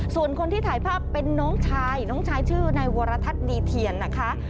ส่วนคนที่ถ่ายภาพเป็นน้องชายน้องชายชื่อนายวรทัศน์ดีเทียนนะคะ